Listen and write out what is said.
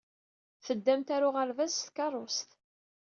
Teddamt ɣer uɣerbaz s tkeṛṛust.